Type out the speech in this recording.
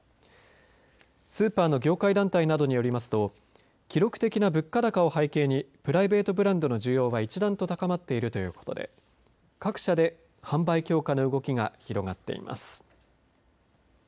スーパーの業界団体などによりますと記録的な物価高を背景にプライベートブランドの需要は一段と高まっているということで各社で販売強化の動きが広がっています。